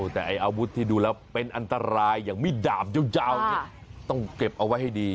แต่ไอ้อาวุธที่ดูแล้วเป็นอันตรายอย่างมิดดาบยาวต้องเก็บเอาไว้ให้ดี